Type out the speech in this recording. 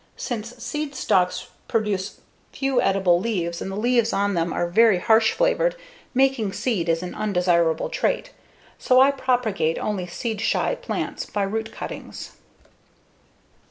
Since seed stalks produce few edible leaves and the leaves on them are very harsh flavored, making seed is an undesirable trait. So I propagate only seed shy plants by root cuttings.